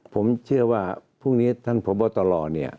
ผมเชื่อว่าพรุ่งนี้ท่านผ่อเบาตะลอ